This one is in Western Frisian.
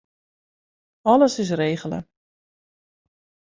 Alles is regele.